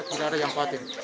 tidak ada yang patim